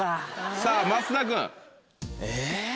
さぁ増田君。え？